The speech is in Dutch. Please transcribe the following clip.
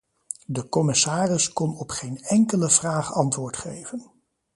De commissaris kon op geen enkele vraag antwoord geven.